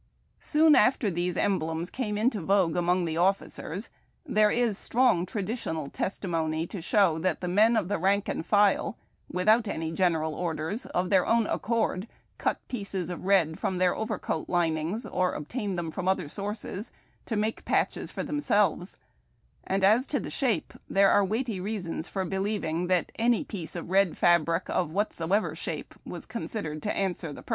Soon after these emblems came into vogue anions the officers there is strong traditional testimony to show that the men of the rank and file, ivithout general orders, of their own accord cut pieces of red from their overcoat linings, or obtained them from other sources to make patches for them selves ; and, as to the shape, there are weighty reasons for believing that any piece of red fabric, of whatsoever shape, was considered to answer the purjjose.